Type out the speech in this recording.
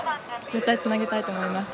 絶対つなげたいと思います。